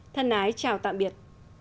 thân ái chào tạm biệt